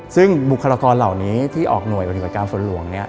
ซึ่งบุคลากรเหล่านี้ที่ออกหน่วยปฏิบัติการฝนหลวง